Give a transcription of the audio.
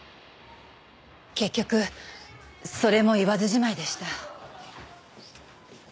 結局それも言わずじまいでした。